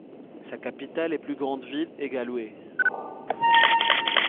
Sa capitale et plus grande ville est Galway.